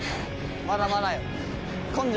まだまだ。